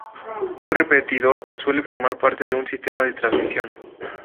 Un repetidor suele formar parte de un sistema de transmisión.